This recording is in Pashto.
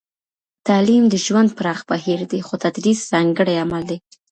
تعليم د ژوند پراخ بهير دی؛ خو تدريس ځانګړی عمل دی.